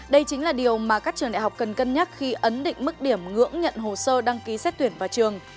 đây chính là điều mà các trường đại học cần cân nhắc khi ấn định mức điểm ngưỡng nhận hồ sơ đăng ký xét tuyển vào trường